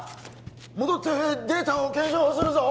戻ってデータを検証するぞ